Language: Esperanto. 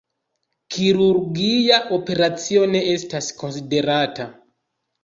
Kirurgia operacio ne estis konsiderata.